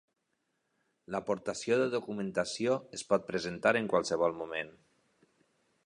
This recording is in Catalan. L'aportació de documentació es pot presentar en qualsevol moment.